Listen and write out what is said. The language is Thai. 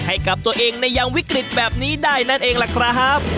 ให้กับตัวเองในยังวิกฤตแบบนี้ได้นั่นเองล่ะครับ